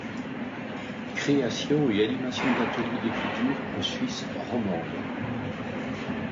Création et animation d’ateliers d’écriture en Suisse romande.